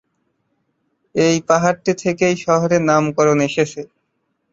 এই পাহাড়টি থেকেই শহরের নামকরণ এসেছে।